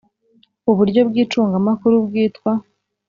uburyo bw icungamakuru bwitwa